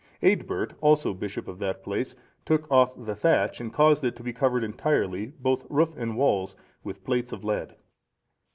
Eadbert,(455) also bishop of that place, took off the thatch, and caused it to be covered entirely, both roof and walls, with plates of lead.